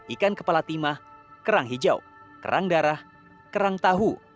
ikan kepala timah kerang hijau kerang darah kerang tahu